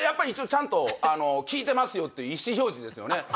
一応ちゃんと聞いてますよって意思表示ですよね。